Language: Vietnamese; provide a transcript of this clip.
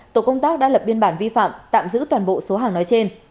tổ công tác đã lập biên bản vi phạm tạm giữ toàn bộ số hàng nói trên